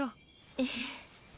ええ。